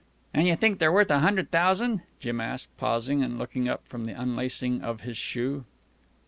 "An' you think they're worth a hundred thousan'?" Jim asked, pausing and looking up from the unlacing of his shoe.